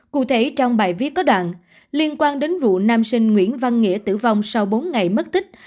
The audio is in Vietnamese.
cụ thể trong bài viết có đoạn liên quan đến vụ nam sinh nguyễn văn nghĩa tử vong sau bốn ngày mất tích